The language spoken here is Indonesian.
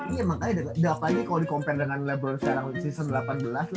iya makanya udah apa aja kalau di compare dengan lebron sekarang season delapan belas